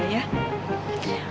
bergantunglah hanya pada saya